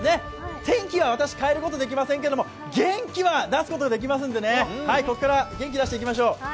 天気は私変えることはできませんけれども、元気は出すことができますのでここから元気出していきましょう。